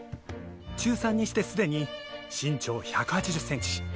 中３にしてすでに身長１８０センチ。